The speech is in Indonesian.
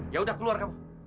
ya udah keluar kamu